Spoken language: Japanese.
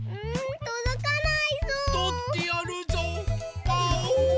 とってやるぞうパオーン！